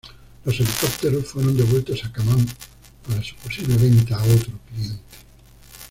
Los helicópteros fueron devueltos a Kaman para su posible venta a otro cliente.